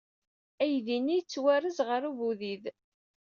Aydi-nni yettwarez ɣer ubudid.